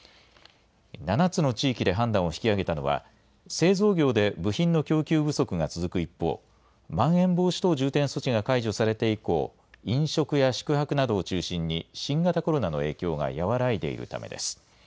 ７つの地域で判断を引き上げたのは、製造業で部品の供給不足が続く一方、まん延防止等重点措置が解除されて以降、飲食や宿泊などを中心に、新型コロナの影響が和らいでいるためです。